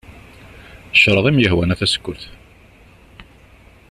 Creḍ i am-yehwan a tasekkurt.